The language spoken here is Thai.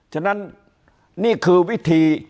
ฉะนั้นนี่คือวิธี